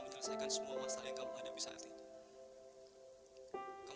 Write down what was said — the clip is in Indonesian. bagaimana aku mau gitu sih kak